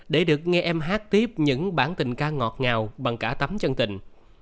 để được nghe em hát tiếp những bản tình ca ngọt ngào bằng cả tấm chân tình